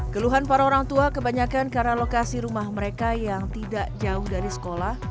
keluhan para orang tua kebanyakan karena lokasi rumah mereka yang tidak jauh dari sekolah